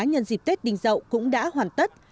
nhân dịp tết đình dậu cũng đã hoàn tất